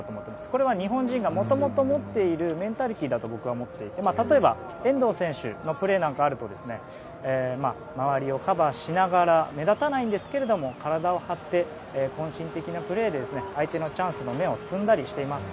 これは日本人がもともと持っているメンタリティーだと思っていて例えば遠藤選手のプレーがあると周りをカバーをしながら目立たないんですけど体を張って渾身的なプレーで相手のチャンスの芽を摘んだりしています。